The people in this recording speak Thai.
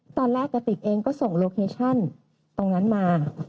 กระติกเองก็ส่งโลเคชั่นตรงนั้นมา